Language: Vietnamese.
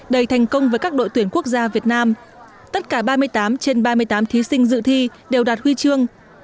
đầy thành công với các đội tuyển quốc gia việt nam tất cả ba mươi tám trên ba mươi tám thí sinh dự thi đều đạt huy chương